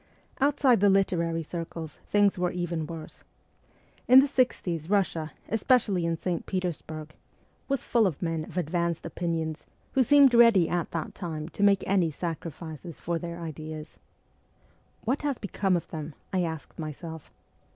Outside the literary circles things were even worse. In the sixties Kussia, especially in St. Petersburg, 32 MEMOIRS OF A REVOLUTIONIST was full of men of advanced opinions, who seemed ready at that time to make any sacrifices for their ideas. ' What has become of them ?' I asked myself.